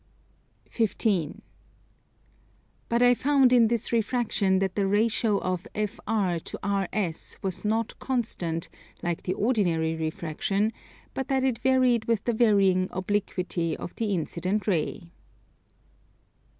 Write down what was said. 15. But I found in this refraction that the ratio of FR to RS was not constant, like the ordinary refraction, but that it varied with the varying obliquity of the incident ray.